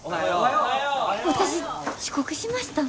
私遅刻しました？